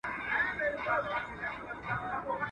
له تندو اوبو مه بېرېږه، له مړامو اوبو وبېرېږه.